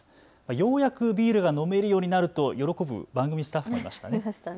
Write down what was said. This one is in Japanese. ようやくビールが飲めるようになると喜ぶ番組スタッフもいました。